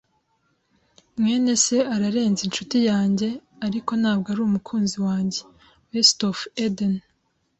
mwene se ararenze inshuti yanjye, ariko ntabwo arumukunzi wanjye. (WestofEden)